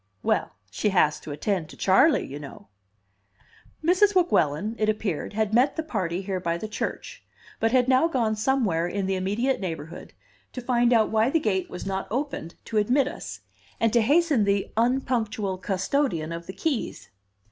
"Well, she has to attend to Charley, you know!" Mrs. Weguelin, it appeared, had met the party here by the church, but had now gone somewhere in the immediate neighborhood to find out why the gate was not opened to admit us, and to hasten the unpunctual custodian of the keys.